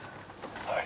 はい。